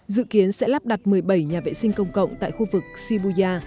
dự kiến sẽ lắp đặt một mươi bảy nhà vệ sinh công cộng tại khu vực shibuya